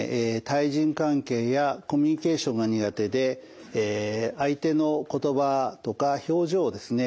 対人関係やコミュニケーションが苦手で相手の言葉とか表情をですね